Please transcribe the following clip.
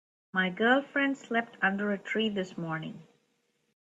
My girlfriend slept under a tree this morning.